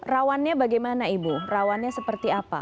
rawannya bagaimana ibu rawannya seperti apa